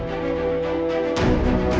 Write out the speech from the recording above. pak terus gimana